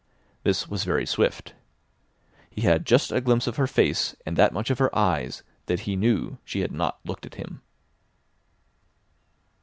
This was very swift. He had just a glimpse of her face and that much of her eyes that he knew she had not looked at him.